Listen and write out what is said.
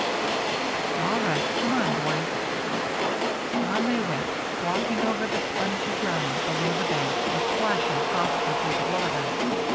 "All right. Come on, boys." On they went, walking over the spongy ground below the bank or splashing softly through the water.